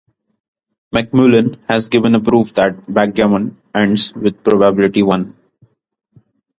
McMullen has given a proof that backgammon ends with probability one.